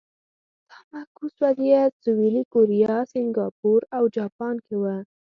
دا معکوس وضعیت سویلي کوریا، سینګاپور او جاپان کې و.